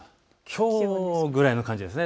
きょうぐらいの感じです。